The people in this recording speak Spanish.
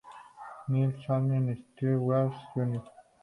Nils Allen Stewart Jr.